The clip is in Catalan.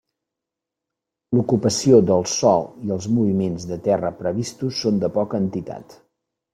L'ocupació del sòl i els moviments de terra previstos són de poca entitat.